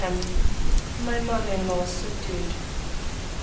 MY MOTHER IN LAW SUBDUED.